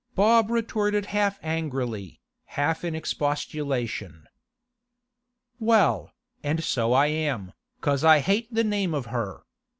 Bob retorted half angrily, half in expostulation. 'Well, and so I am, 'cause I hate the name of her!